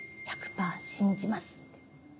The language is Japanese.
「１００％信じます」って。